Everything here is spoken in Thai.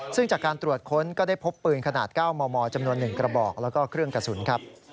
ซึ่งจากการตรวจค้นก็ได้พบปืนขนาด๙มมจำนวน๑กระบอกแล้วก็เครื่องกระสุนครับ